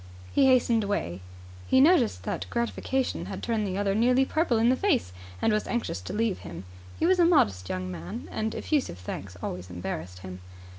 He hastened away. He noticed that gratification had turned the other nearly purple in the face, and was anxious to leave him. He was a modest young man, and effusive thanks always embarrassed him.